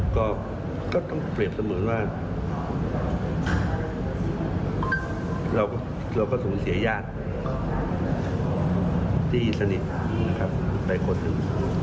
ก็ต้องเปรียบเสมือนว่าเราก็สูญเสียญาติที่สนิทนะครับไปคนหนึ่ง